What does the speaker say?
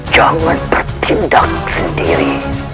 jangan bertindak sendiri